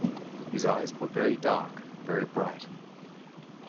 His eyes were very dark, very bright.